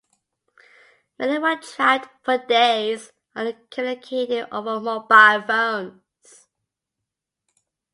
Many were trapped for days, only communicating over mobile phones.